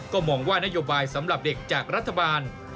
ก็มองว่านโยบายสำหรับเด็กจากรัฐบาล